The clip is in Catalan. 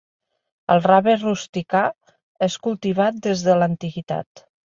El rave rusticà es cultivat des de l'antiguitat.